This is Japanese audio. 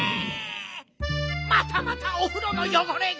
またまたおふろのよごれが！